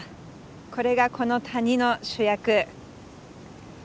これがこの谷の主役。